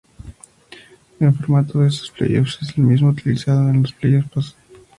El formato de estos playoffs es el mismo utilizado en los pasados playoffs.